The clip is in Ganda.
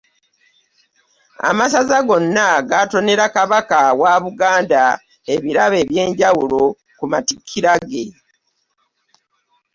Amasaza gwona gaatonera Kabaka wa Buganda ebirabo eby'enjawulo ku matikira ge.